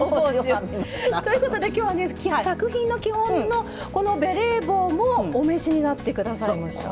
ということで今日はね作品の基本のこのベレー帽もお召しになって下さいました。